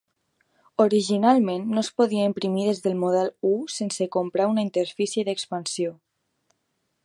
Originalment, no es podia imprimir des del Model I sense comprar una Interfície d'Expansió.